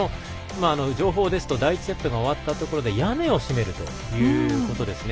情報ですと第１セットが終わったところで屋根を閉めるということですね。